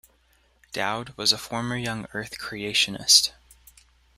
Dowd was a former young earth creationist.